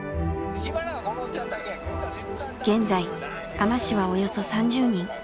現在海士はおよそ３０人。